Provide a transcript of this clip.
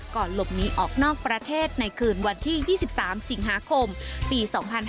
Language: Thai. หลบหนีออกนอกประเทศในคืนวันที่๒๓สิงหาคมปี๒๕๕๙